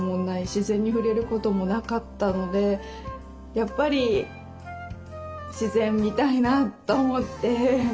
自然に触れることもなかったのでやっぱり自然見たいなと思って山登ってみたいです。